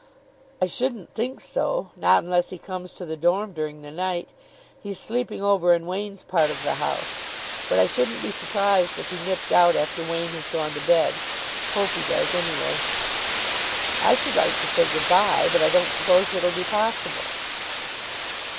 "I shouldn't think so. Not unless he comes to the dorm. during the night. He's sleeping over in Wain's part of the house, but I shouldn't be surprised if he nipped out after Wain has gone to bed. Hope he does, anyway." "I should like to say good bye. But I don't suppose it'll be possible."